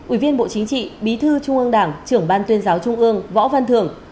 ubnd bí thư trung ương đảng trưởng ban tuyên giáo trung ương võ văn thường